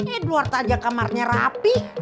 eduard aja kamarnya rapi